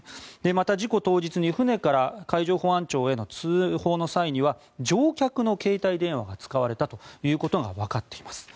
また、事故当日に船から海上保安庁への通報の際には乗客の携帯電話が使われたということがわかっています。